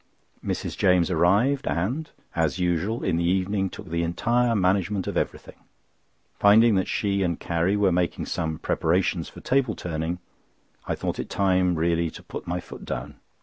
Mrs. James arrived and, as usual, in the evening took the entire management of everything. Finding that she and Carrie were making some preparations for table turning, I thought it time really to put my foot down.